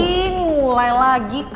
ini mulai lagi kak